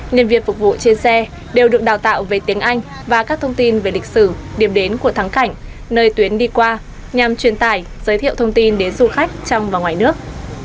niên viên phục vụ trên xe đều được đào tạo về tiếng anh và các thông tin về lịch sử điểm đến của thắng cảnh nơi tuyến đi qua nhằm truyền tải giới thiệu thông tin đến du khách trong và ngoài nước